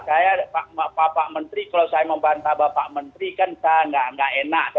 saya pak menteri kalau saya membantah pak menteri kan saya tidak enak